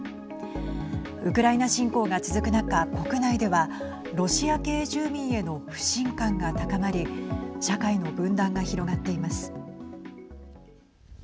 ウクライナ侵攻が続く中国内ではロシア系住民への不信感が高まり社会の分断が広がっています。